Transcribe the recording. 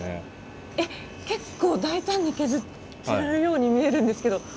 え結構大胆に削っているように見えるんですけど。